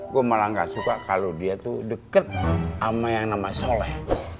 gue malah gak suka kalau dia tuh deket sama yang nama soleh